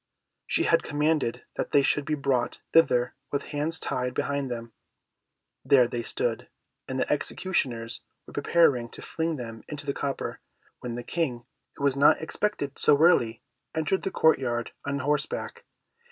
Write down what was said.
She had commanded that they should be brought thither with hands tied behind them. There they stood, and the executioners were preparing to fling them into the copper, when the King, who was not expected so early, entered the court yard on horseback.